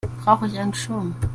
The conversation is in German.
Brauche ich einen Schirm?